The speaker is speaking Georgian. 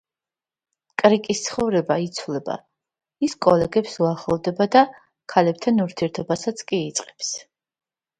კრიკის ცხოვრება იცვლება, ის კოლეგებს უახლოვდება და ქალებთან ურთიერთობასაც კი იწყებს.